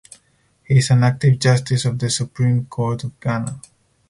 He is an active justice of the Supreme Court of Ghana.